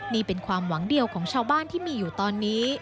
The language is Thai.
นี่เป็นความหวังเดียวของชาวบ้านที่มีอยู่ตอนนี้